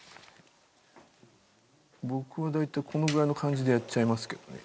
僕は大体このぐらいの感じでやっちゃいますけどね。